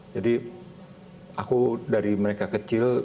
jadi aku dari mereka kecil